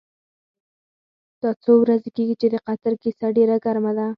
دا څو ورځې کېږي چې د قطر کیسه ډېره ګرمه ده.